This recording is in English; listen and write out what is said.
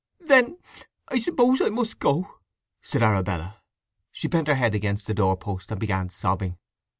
"Then I suppose I must go!" said Arabella. She bent her head against the doorpost and began sobbing.